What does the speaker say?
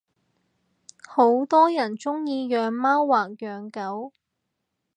好多人鐘意養貓或養狗